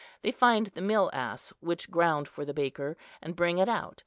They find the mill ass which ground for the baker, and bring it out.